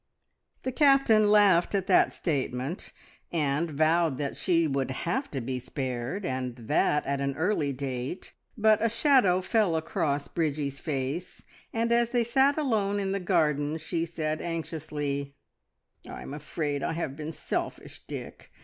The Captain laughed at that statement, and vowed that she would have to be spared, and that at an early date; but a shadow fell across Bridgie's face, and as they sat alone in the garden she said anxiously "I am afraid I have been selfish, Dick!